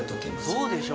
そうでしょ。